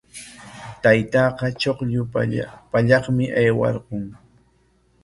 Taytaaqa chuqllu pallaqmi aywarqun.